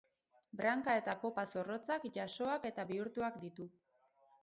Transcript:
Branka eta popa zorrotzak, jasoak eta bihurtuak ditu.